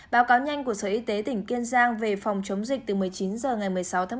báo cáo nhanh của sở y tế tỉnh kiên giang về phòng chống dịch từ một mươi chín h ngày một mươi sáu tháng một mươi